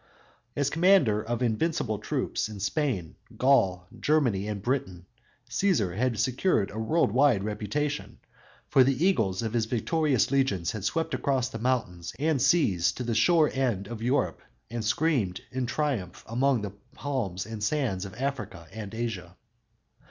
As commander of invincible troops in Spain, Gaul, Germany and Britain, Cæsar had secured a world wide reputation, for the eagles of his victorious legions had swept across the mountains and seas to the shore end of Europe and screamed in triumph among the palms and sands of Africa and Asia!